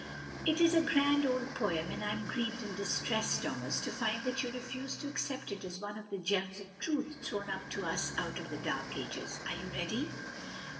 It is a grand old poem, and I am grieved and distressed, Thomas, to find that you refuse to accept it as one of the gems of truth thrown up to us out of the Dark Ages. Are you ready?